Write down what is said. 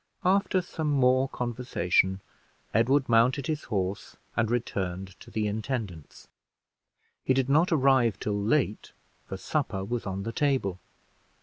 After some more conversation, Edward mounted his horse and returned to the intendant's. He did not arrive till late, for supper was on the table.